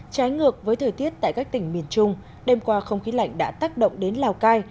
trái ngược với thời tiết tại các tỉnh miền trung đêm qua không khí lạnh đã tác động đến lào cai